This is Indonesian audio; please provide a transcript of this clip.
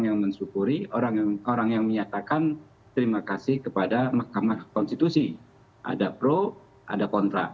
yang mensyukuri orang yang menyatakan terima kasih kepada mahkamah konstitusi ada pro ada kontra